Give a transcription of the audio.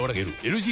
⁉ＬＧ